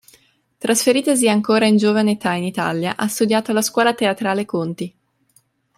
Trasferitasi ancora in giovane età in Italia, ha studiato alla scuola teatrale Conti.